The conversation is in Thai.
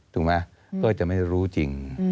ถูกไหมก็จะไม่รู้จริง